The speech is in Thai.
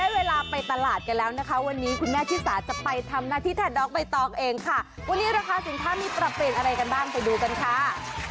วันนี้คุณแม่ที่สาจะไปทำหน้าที่แทนด๊อกไปต่อเองค่ะวันนี้ราคาสินค้ามีปรับเปลี่ยนอะไรกันบ้างไปดูกันค่ะ